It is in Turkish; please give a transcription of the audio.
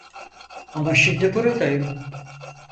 Ama şimdi buradayım.